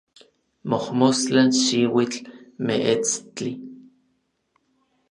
mojmostla, xiuitl, meetstli